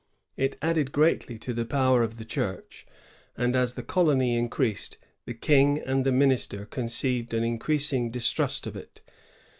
It added greatiy to the power of the Church; and, as the colony increased, the King and the minister conceived an increasing distrust of it.